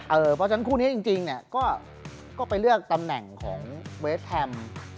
เพราะฉะนั้นคู่นี้จริงเนี่ยก็ไปเลือกตำแหน่งของเวสแฮม